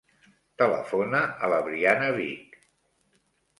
Telefona a la Briana Vich.